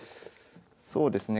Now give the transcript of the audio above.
そうですね